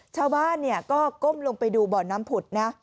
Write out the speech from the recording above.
ชาวบ้านก็ก้มลงไปดูบ่อน้ำผุดนะ